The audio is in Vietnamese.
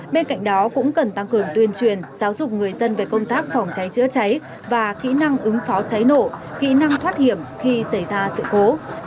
bên cạnh đó cũng cần tăng cường tuyên truyền giáo dục người dân về công tác phòng cháy chữa cháy và kỹ năng ứng phó cháy nổ kỹ năng thoát hiểm khi xảy ra sự cố